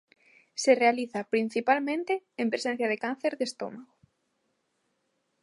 Se realiza principalmente en presencia de cáncer de estómago.